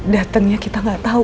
datengnya kita gak tau